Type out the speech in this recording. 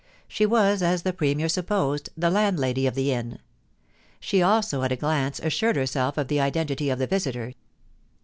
She was, as the Premier supposed, the landlady of the inn. She also at a glance assured herself of the identity of the visitor.